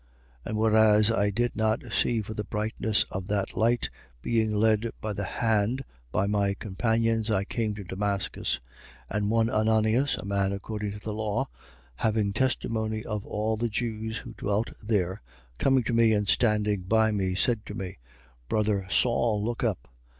22:11. And whereas I did not see for the brightness of that light, being led by the hand by my companions, I came to Damascus, 22:12. And one Ananias, a man according to the law, having testimony of all the Jews who dwelt there, 22:13. Coming to me and standing by me, said to me: Brother Saul, look up.